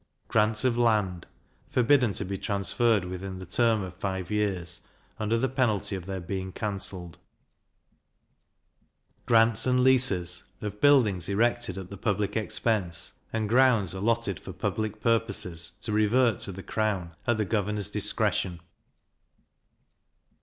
Grants of Land forbidden to be transferred within the term of five years, under the penalty of their being cancelled. Grants and Leases of buildings erected at the public expence, and grounds allotted for public purposes, to revert to the crown, at the governor's discretion.